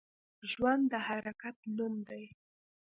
ژوند د حرکت نوم دی